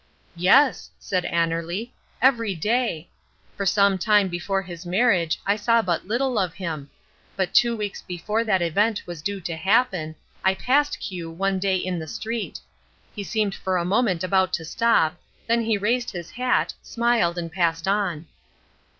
"Yes," said Annerly, "every day. For some time before his marriage I saw but little of him. But two weeks before that event was due to happen, I passed Q one day in the street. He seemed for a moment about to stop, then he raised his hat, smiled and passed on."